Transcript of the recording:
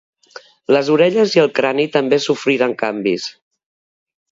Les orelles i el crani també sofriren canvis.